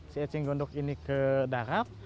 si eceng gondok ini ke darat